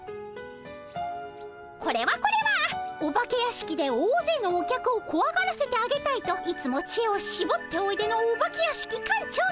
これはこれはお化け屋敷で大勢のお客をこわがらせてあげたいといつも知恵をしぼっておいでのお化け屋敷館長さま。